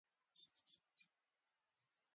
چې جوړه کړې ګولۍ یې